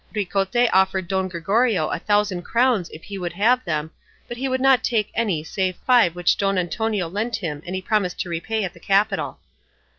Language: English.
Ricote offered Don Gregorio a thousand crowns if he would have them, but he would not take any save five which Don Antonio lent him and he promised to repay at the capital.